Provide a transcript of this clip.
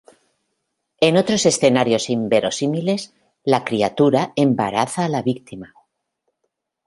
En otros escenarios inverosímiles, la criatura embaraza a la víctima.